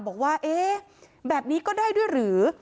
บอกว่าเอ๊ะแบบนี้ก็ได้ด้วยหรือ